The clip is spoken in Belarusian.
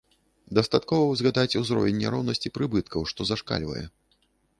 Дастаткова згадаць узровень няроўнасці прыбыткаў, што зашкальвае.